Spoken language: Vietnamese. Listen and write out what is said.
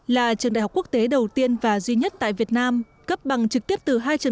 là trường đại học quốc tế đầu tiên và duy nhất tại việt nam cấp bằng trực tiếp từ hai